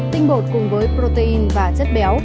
tinh bột cùng với protein và chất béo